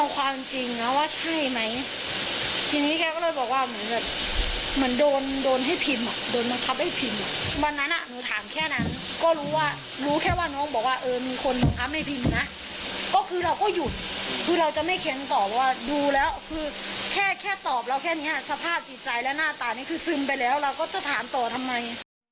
ก็จะถามตัวทำไม